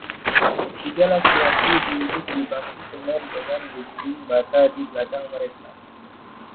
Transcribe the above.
Tiga laki-laki duduk di bangku semen dengan dinding bata di belakang mereka